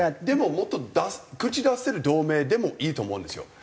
でももっと口出せる同盟でもいいと思うんですよ。